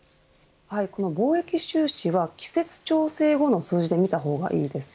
この貿易収支は季節調整後の数字で見たほうがいいです。